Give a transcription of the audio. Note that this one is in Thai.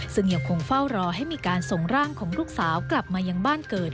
ซึ่งยังคงเฝ้ารอให้มีการส่งร่างของลูกสาวกลับมายังบ้านเกิด